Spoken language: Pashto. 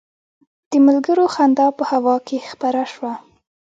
د ملګرو خندا په هوا کې خپره شوه.